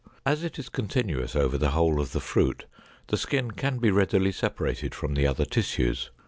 As it is continuous over the whole of the fruit, the skin can be readily separated from the other tissues.